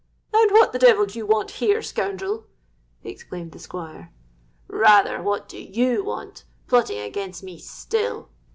—'And what the devil do you want here, scoundrel?' exclaimed the Squire.—'Rather what do you want, plotting against me still?'